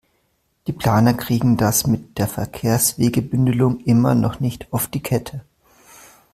Die Planer kriegen das mit der Verkehrswegebündelung immer noch nicht auf die Kette.